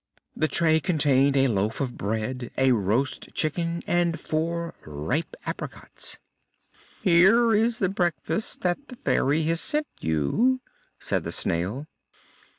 The tray contained a loaf of bread, a roast chicken, and four ripe apricots. "Here is the breakfast that the Fairy has sent you," said the Snail.